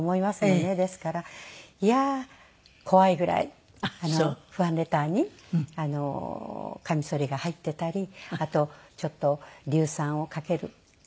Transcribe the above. ですからいや怖いぐらいファンレターにかみそりが入っていたりあとちょっと硫酸をかけるとか。